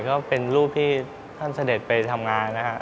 ก็เป็นรูปที่ท่านเสด็จไปทำงานนะครับ